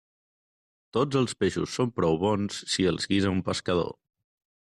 Tots els peixos són prou bons si els guisa un pescador.